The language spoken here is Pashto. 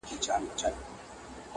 دا څه ليونى دی بيـا يـې وويـل.